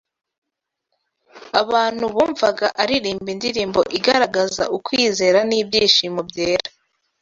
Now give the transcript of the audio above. abantu bumvaga aririmba indirimbo igaragaza ukwizera n’ibyishimo byera